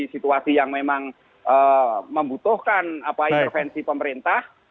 situasi yang memang membutuhkan intervensi pemerintah